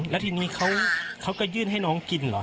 แล้วทีนี้เขาก็ยื่นให้น้องกินเหรอ